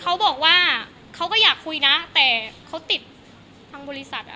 เขาบอกว่าเขาก็อยากคุยนะแต่เขาติดทางบริษัทอ่ะ